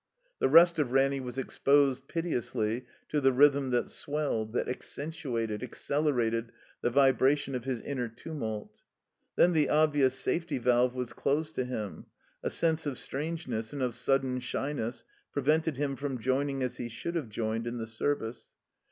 The rest of Ranny was exposed, piteously, to the rhythm that swelled, that accentuated, ac celerated the vibration of his inner tiunult. Then the obvious safety valve was closed to him. A sense of strangeness and of sudden shyness pre vented him from joining as he should have joined in the Service.